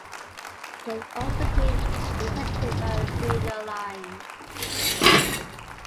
It can also be dissected by radial lines.